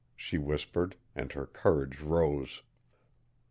she whispered, and her courage rose.